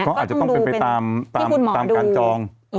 เขาอาจจะต้องเป็นไปตามการจองที่คุณหมอดู